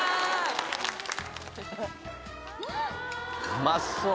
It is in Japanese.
うまそう。